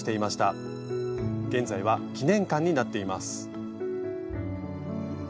現在は記念館になっています。